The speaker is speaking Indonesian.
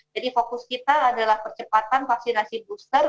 jadi fokus kita adalah percepatan vaksinasi booster